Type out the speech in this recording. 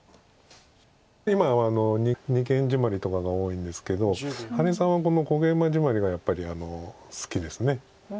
今は二間ジマリとかが多いんですけど羽根さんは小ゲイマジマリがやっぱり好きです。